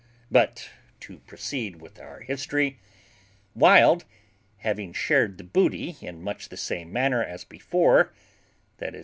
But to proceed with our history: Wild, having shared the booty in much the same manner as before, i.e.